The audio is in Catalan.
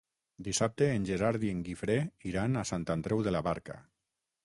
Dissabte en Gerard i en Guifré iran a Sant Andreu de la Barca.